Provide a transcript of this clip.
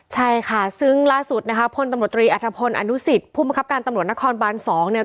ใช่ค่ะซึ่งล่าสุดนะคะพลตำรวจตรีอัฐพลอนุสิตผู้บังคับการตำรวจนครบาน๒เนี่ย